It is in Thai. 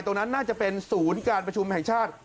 ตรงนั้นน่าจะเป็นศูนย์การประชุมแห่งชาติ